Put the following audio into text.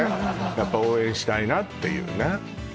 やっぱ応援したいなっていうね